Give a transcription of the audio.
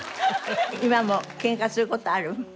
今もケンカする事ある？